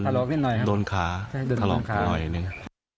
หลอกนิดหน่อยครับโดนขาหลอกหน่อยหนึ่ง